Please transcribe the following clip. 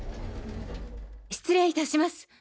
失礼いたします。